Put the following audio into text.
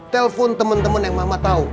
telepon temen temen yang mama tau